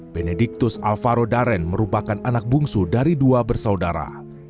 benediktus alvaro daren merupakan anak bungsu dari dua bersaudara